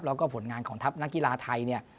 แล้วก็ผลงานของทัพนักกีฬาไทยเนี่ย